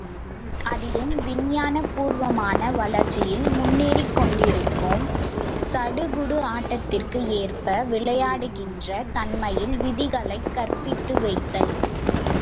அதிலும் விஞ்ஞான பூர்வமான வளர்ச்சியில் முன்னேறிக் கொண்டிருக்கும் சடுகுடு ஆட்டத்திற்கு ஏற்ப, விளையாடுகின்ற தன்மையில் விதிகளைக் கற்பித்து வைத்தல்.